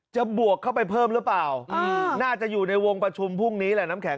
บวกเข้าไปเพิ่มหรือเปล่าน่าจะอยู่ในวงประชุมพรุ่งนี้แหละน้ำแข